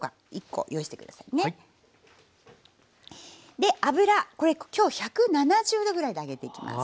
で油これ今日１７０℃ぐらいで揚げていきます。